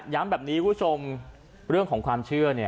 แบบนี้คุณผู้ชมเรื่องของความเชื่อ